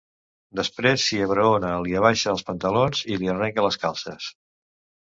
Després s'hi abraona, li abaixa els pantalons i li arrenca les calces.